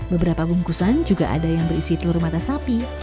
beberapa bungkusan juga ada yang berisi telur mata sapi